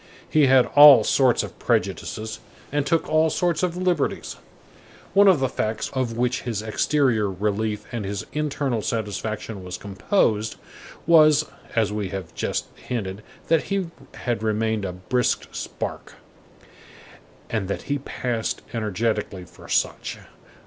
He had all sorts of prejudices and took all sorts of liberties. One of the facts of which his exterior relief and his internal satisfaction was composed, was, as we have just hinted, that he had remained a brisk spark, and that he passed energetically for such.